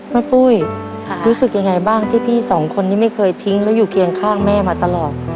ปุ้ยรู้สึกยังไงบ้างที่พี่สองคนนี้ไม่เคยทิ้งแล้วอยู่เคียงข้างแม่มาตลอด